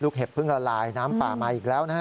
ลูกเห็บเพิ่งอลายน้ำป่ามาอีกแล้วนะครับ